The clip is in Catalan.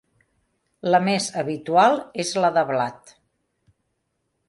La més habitual és la de blat.